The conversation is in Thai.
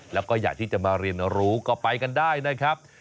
แล้วก็อยากที่จะมาเรียนรู้ก็ไปกันได้นะครับ